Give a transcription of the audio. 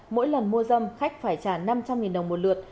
mỗi lần mua dâm khách phải trả năm trăm linh đồng một lượt